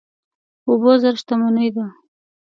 اوبه زر شتمني ده.